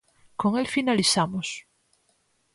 Con el finalizamos.